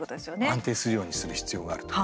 安定するようにする必要があると。